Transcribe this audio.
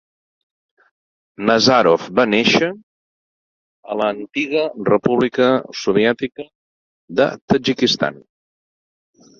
Nazarov va néixer a la Antiga República Soviètica del Tadjikistan.